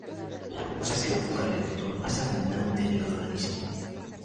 La glucosa es el azúcar reductor más abundante en el organismo.